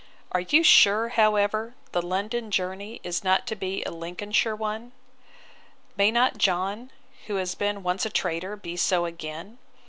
Are you sure, however, the London journey is not to be a Lincolnshire one? May not John, who has been once a traitor, be so again?